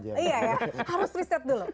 iya ya harus riset dulu